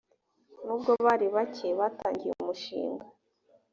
nubwo bari bake batangiye umushinga